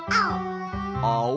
あお！